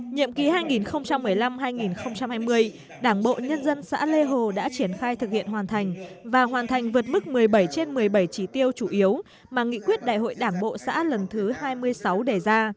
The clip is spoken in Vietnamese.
nhiệm ký hai nghìn một mươi năm hai nghìn hai mươi đảng bộ nhân dân xã lê hồ đã triển khai thực hiện hoàn thành và hoàn thành vượt mức một mươi bảy trên một mươi bảy trí tiêu chủ yếu mà nghị quyết đại hội đảng bộ xã lần thứ hai mươi sáu đề ra